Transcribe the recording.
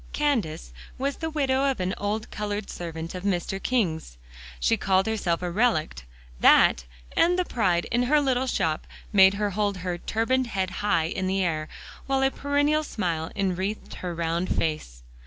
"Candace" was the widow of an old colored servant of Mr. King's; she called herself a "relict;" that, and the pride in her little shop, made her hold her turbaned head high in the air, while a perennial smile enwreathed her round face.